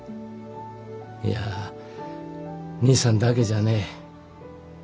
いや兄さんだけじゃねえ。